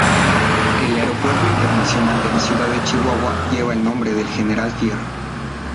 El Aeropuerto Internacional de la Ciudad de Chihuahua lleva el nombre del General Fierro.